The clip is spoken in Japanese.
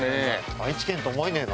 愛知県とは思えねえな。